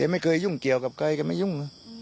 มันเคยยุงเกี่ยวกับใครกัน